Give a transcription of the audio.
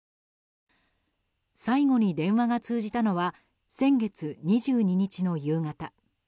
最後に電話が通じたのは先月２２日の夕方。